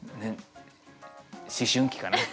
思春期かな？